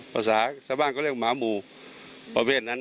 ภาษาชาวบ้านก็เรียกหมาหมู่ประเภทนั้น